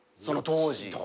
その当時。